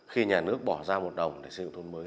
khi nhà nước bỏ ra một đồng để xây dựng thôn mới